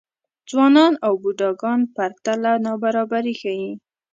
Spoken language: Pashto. ځوانان او بوډاګان پرتله نابرابري ښيي.